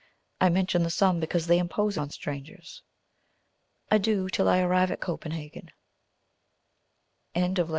I mention the sum, because they impose on strangers. Adieu! till I arrive at Copenhagen. LETTER XVIII.